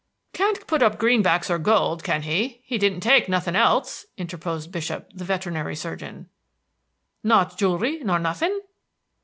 "Can't put up greenbacks or gold, can he? He didn't take nothing else," interposed Bishop, the veterinary surgeon. "Now jewelry nor nothing?"